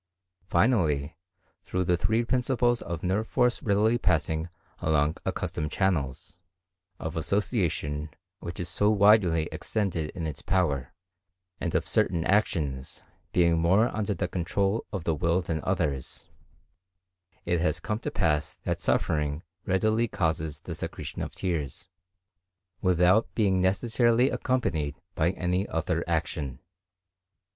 Finally, through the three principles of nerve force readily passing along accustomed channels—of association, which is so widely extended in its power—and of certain actions, being more under the control of the will than others—it has come to pass that suffering readily causes the secretion of tears, without being necessarily accompanied by any other action.